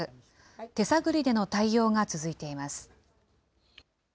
手探りでの対応が続いています。